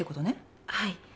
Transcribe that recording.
はい。